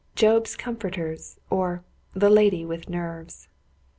JOB'S COMFORTERS; OR, THE LADY WITH NERVES.